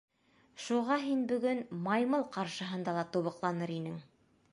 Шуға һин бөгөн маймыл ҡаршыһында ла тубыҡланыр инең!